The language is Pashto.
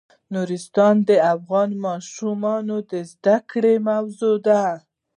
نورستان د افغان ماشومانو د زده کړې موضوع ده.